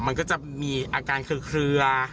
มันก็จะมีอาการเคลือ